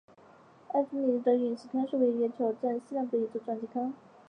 埃庇米尼得斯陨石坑是位于月球正面西南部的一座撞击坑。